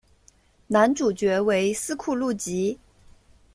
男主角为斯库路吉。